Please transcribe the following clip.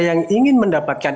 yang ingin mendapatkan